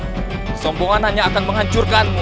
kesombonganannya akan menghancurkanmu